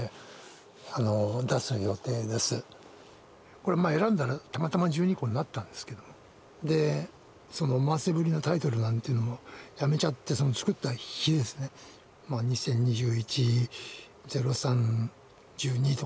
これまあ選んだらたまたま１２個になったんですけどでその思わせぶりなタイトルなんていうのをやめちゃって作った日ですね２０２１０３１２とかですね